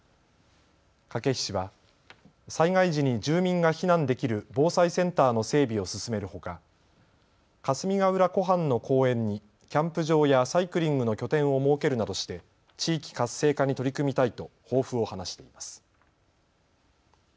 筧氏は災害時に住民が避難できる防災センターの整備を進めるほか霞ヶ浦湖畔の公園にキャンプ場やサイクリングの拠点を設けるなどして地域活性化に取り組みたいと抱負を話しています。